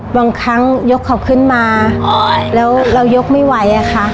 บางครั้งยกเขาขึ้นมาแล้วเรายกไม่ไหวอะค่ะ